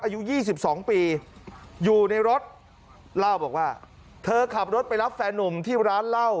อายุ๒๒ปีอยู่ในรถเล่าบอกว่าเธอขับรถไปรับแฟนนุ่มที่ร้านเหล้า